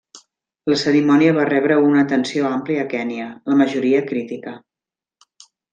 La cerimònia va rebre una atenció àmplia a Kenya, la majoria crítica.